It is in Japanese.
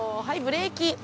はいブレーキ。